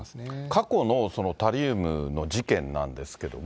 過去のタリウムの事件なんですけれども。